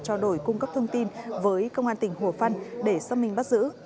trao đổi cung cấp thông tin với công an tỉnh hồ phân để xác minh bắt giữ